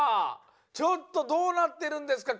ちょっとどうなってるんですか？